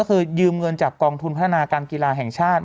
ก็คือยืมเงินจากกองทุนพัฒนาการกีฬาแห่งชาติ